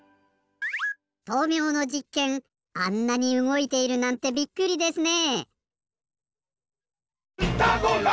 豆苗のじっけんあんなにうごいているなんてびっくりですね。